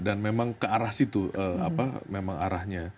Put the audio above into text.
dan memang ke arah situ memang arahnya